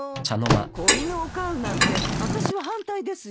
子犬を飼うなんてあたしは反対ですよ。